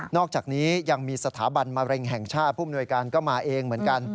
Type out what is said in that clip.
อกจากนี้ยังมีสถาบันมะเร็งแห่งชาติผู้มนวยการก็มาเองเหมือนกัน